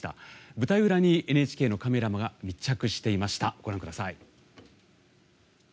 舞台裏にＮＨＫのカメラが密着していました。